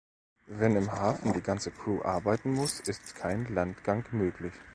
Wenn im Hafen die ganze Crew arbeiten muss, ist kein Landgang möglich.